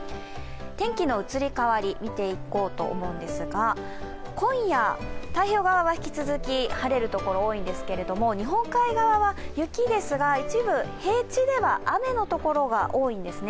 天気の移り変わりを見ていこうと思うんですが今夜、太平洋側は引き続き晴れるところが多いんですけれども日本海側は雪ですが、一部、平地では雨の所が多いんですね。